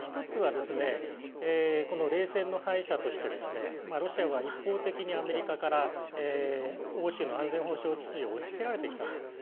１つは、冷戦の敗者としてロシアが一方的にアメリカから欧州の安全保障秩序を押し付けられてきたと。